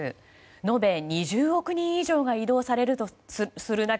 延べ２０億人以上が移動する中